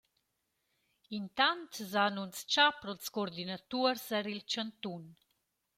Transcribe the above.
Intant s’ha annunzchà pro’ls coordinatuors eir il chantun.